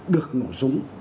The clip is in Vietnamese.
được nổ súng